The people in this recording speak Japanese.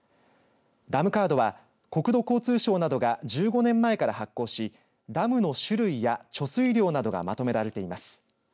ダムカードは国土交通省などが１５年前から発行しダムの種類や貯水量などがまとめられています。